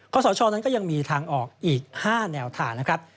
สชนั้นก็ยังมีทางออกอีก๕แนวทางนะครับ